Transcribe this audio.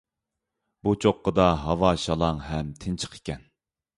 بۇ چوققىدا ھاۋا شالاڭ ھەم تىنچىق ئىكەن.